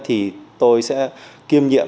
thì tôi sẽ kiêm nhiệm